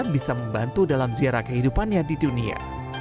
bisa membantu dalam ziarah kehidupannya di dunia